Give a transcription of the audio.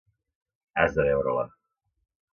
Has de veure-la.